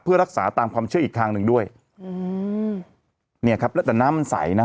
เพื่อรักษาตามความเชื่ออีกทางหนึ่งด้วยอืมเนี่ยครับแล้วแต่น้ำมันใสนะฮะ